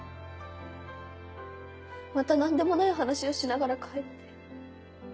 また何でもない話をしながら帰って。